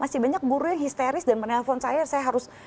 masih banyak guru yang histeris dan menelpon saya saya harus